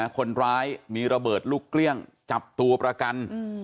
คนร้ายมีระเบิดลูกเกลี้ยงจับตัวประกัน